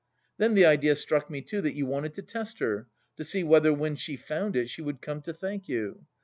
Then the idea struck me, too, that you wanted to test her, to see whether, when she found it, she would come to thank you.